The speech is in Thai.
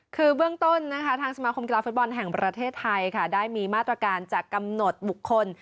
คือเบื้องต้นนะคะทางสมาคมกีฬาฟุตบอลแห่งประเทศไทยค่ะได้มีมาตรการจากกำหนดบุคคล